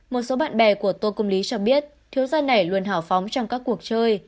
một số bạn bè của tô công lý cho biết thiếu gia này luôn hào phóng trong các cuộc chơi